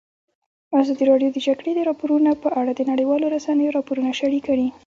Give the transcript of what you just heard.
ازادي راډیو د د جګړې راپورونه په اړه د نړیوالو رسنیو راپورونه شریک کړي.